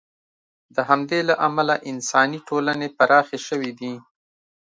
د همدې له امله انساني ټولنې پراخې شوې دي.